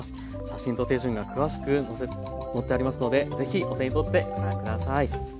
写真と手順が詳しく載っていますのでぜひお手にとってご覧ください。